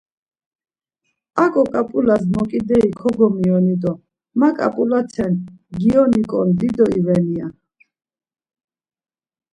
Aǩo ǩap̌ulas moǩideri kogomiyoni do ma ǩap̌ulate gioniǩon dido iveni! ya.